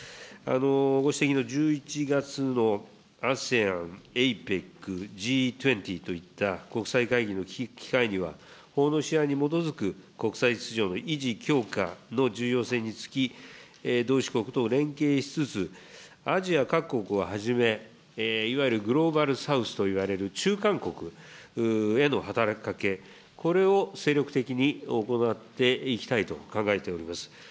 ご指摘の１１月のＡＳＥＡＮ、ＡＰＥＣ、Ｇ２０といった国際会議の機会には、法の支配に基づく国際秩序の維持強化の重要性につき、同志国と連携しつつ、アジア各国をはじめ、いわゆるグローバルサウスといわれる中間国への働きかけ、これを精力的に行っていきたいと考えております。